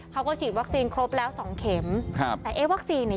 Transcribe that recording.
เขาก็ฉีดวัคซีนครบแล้วสองเข็มครับแต่เอ๊ะวัคซีนเนี่ย